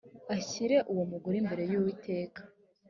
ashyire uwo mugore imbere y uwiteka